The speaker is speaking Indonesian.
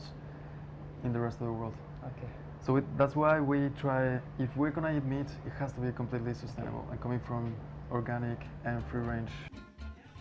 kita juga melihatnya di indonesia kita juga melihatnya di indonesia kita juga melihatnya di indonesia